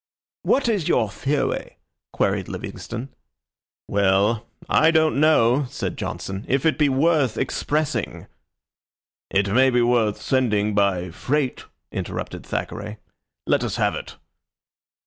"What is your theory?" queried Livingstone. "Well I don't know," said Johnson, "if it be worth expressing." "It may be worth sending by freight," interrupted Thackeray. "Let us have it."